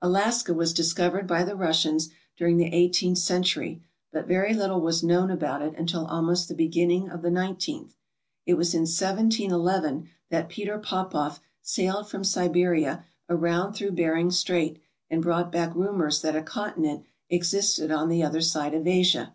Alaska was discovered by the Russians during the eighteenth century but very little was known about it until almost the beginning of the nineteenth. It was in 1711 that Peter Popoff sailed from Siberia around through Bering Strait and brought back rumours that a continent existed on the other side of Asia.